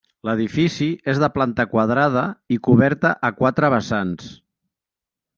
L’edifici és de planta quadrada i coberta a quatre vessants.